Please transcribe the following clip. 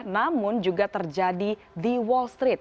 namun juga terjadi di wall street